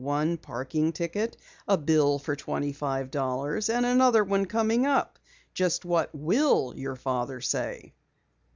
One parking ticket, a bill for twenty five dollars, and another one coming up. Just what will your father say?"